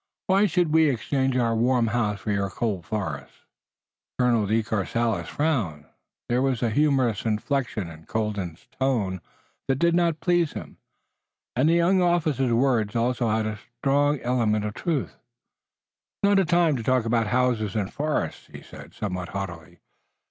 Why should we exchange our warm house for your cold forest?" Colonel de Courcelles frowned. There was a humorous inflection in Colden's tone that did not please him, and the young officer's words also had a strong element of truth. "It's not a time to talk about houses and forests," he said, somewhat haughtily.